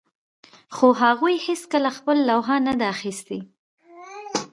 خو هغوی هیڅکله خپله لوحه نه ده اخیستې